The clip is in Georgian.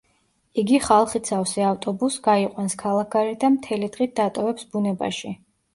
იგი ხალხით სავსე ავტობუსს გაიყვანს ქალაქგარეთ და მთელი დღით დატოვებს ბუნებაში.